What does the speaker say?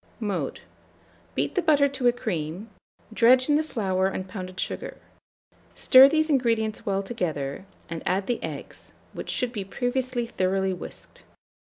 Mode. Beat the butter to a cream; dredge in the flour and pounded sugar; stir these ingredients well together, and add the eggs, which should be previously thoroughly whisked.